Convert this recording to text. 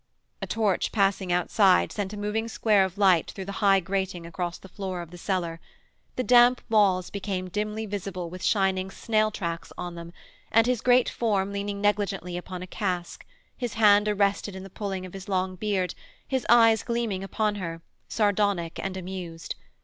A torch passing outside sent a moving square of light through the high grating across the floor of the cellar. The damp walls became dimly visible with shining snail tracks on them, and his great form leaning negligently upon a cask, his hand arrested in the pulling of his long beard, his eyes gleaming upon her, sardonic and amused.